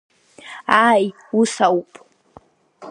Ааи, ус ауп.